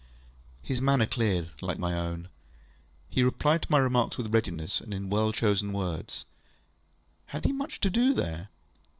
ŌĆØ His manner cleared, like my own. He replied to my remarks with readiness, and in well chosen words. Had he much to do there?